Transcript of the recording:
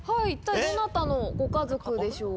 どなたのご家族でしょうか？